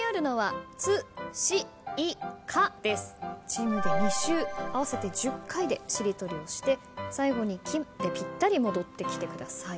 チームで２周合わせて１０回でしりとりをして最後に「き」でぴったり戻ってきてください。